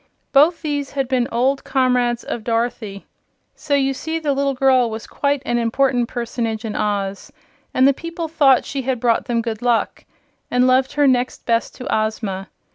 Both these had been old comrades of Dorothy, so you see the little girl was quite an important personage in Oz, and the people thought she had brought them good luck, and loved her next best to Ozma.